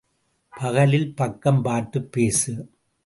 பகலில் பக்கம் பார்த்துப் பேசு.